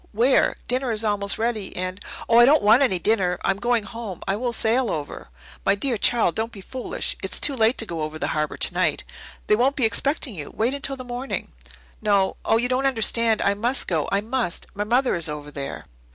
Where? Dinner is almost ready, and " "Oh, I don't want any dinner. I'm going home I will sail over." "My dear child, don't be foolish. It's too late to go over the harbour tonight. They won't be expecting you. Wait until the morning." "No oh, you don't understand. I must go I must! My mother is over there."